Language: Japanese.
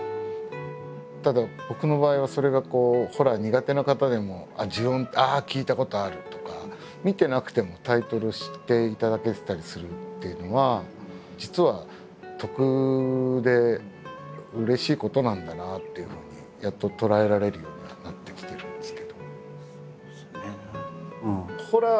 ただ僕の場合はそれがこうホラー苦手な方でも「『呪怨』ああ聞いたことある」とか見てなくてもタイトル知っていただけてたりするっていうのは実は得でうれしいことなんだなっていうふうにやっと捉えられるようにはなってきてるんですけど。